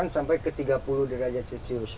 dua puluh delapan sampai ke tiga puluh derajat celcius